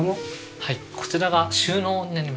はい。